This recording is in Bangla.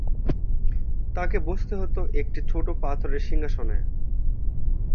তাকে বসতে হতো একটি ছোট পাথরের সিংহাসনে।